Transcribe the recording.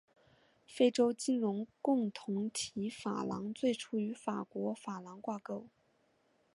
非洲金融共同体法郎最初与法国法郎挂钩。